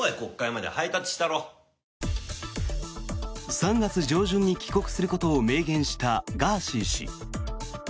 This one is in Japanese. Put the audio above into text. ３月上旬に帰国することを明言したガーシー氏。